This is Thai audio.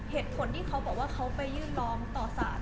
เหตุผลที่เขาบอกว่าเขาไปยื่นร้องต่อสาร